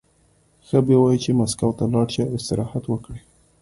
ښه به وي چې مسکو ته لاړ شي او استراحت وکړي